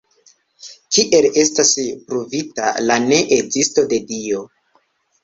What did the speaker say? Kiel estas ‘pruvita’ la ne-ezisto de Dio?